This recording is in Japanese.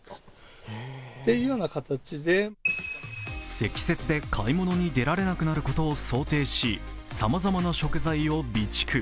積雪で買い物に出られなくなることを想定しさまざまな食材を備蓄。